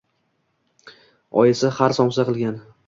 Oyisi har somsa qilgan.